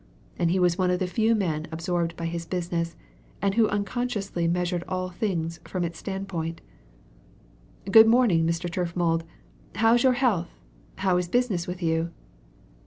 He was one of the few men absorbed by his business, and who unconsciously measured all things from its standpoint. "Good morning, Mr. Turfmould! How's your health? How is business with you?"